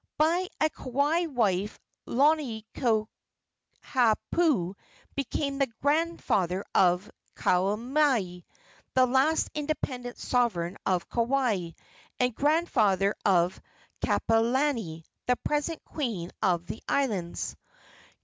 By a Kauai wife Lonoikahaupu became the grandfather of Kaumualii, the last independent sovereign of Kauai, and grandfather of Kapiolani, the present queen of the islands.